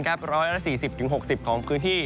๑๔๐๖๐ของพื้นที่